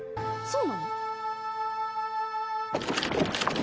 そうなの？